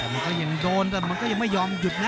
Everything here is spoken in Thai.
มันก็ยังโดนแต่มันก็ยังไม่ยอมหยุดนะ